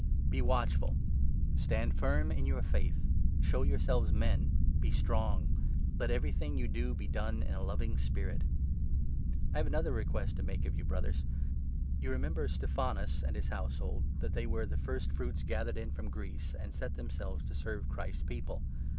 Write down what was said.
Be watchful ; stand firm in your faith ; show 13 Exhortation*. yOurseives men ; be strong. Let everything you 14 do be done in a loving spirit. I have another request to make of you, Brothers. You 15 remember Stephanas and his household, and that they were the first fruits gathered in from Greece, and set themselves to serve Christ's People.